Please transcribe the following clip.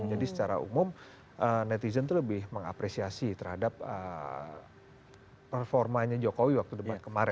jadi secara umum netizen itu lebih mengapresiasi terhadap performanya jokowi waktu debat kemarin